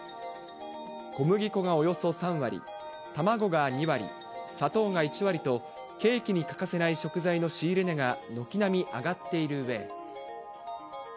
小麦粉がおよそ３割、卵が２割、砂糖が１割と、ケーキに欠かせない食材の仕入れ値が軒並み上がっているうえ。